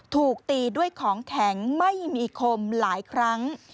ถูกตีด้วยของแข็งไม่มีคมหลายครั้ง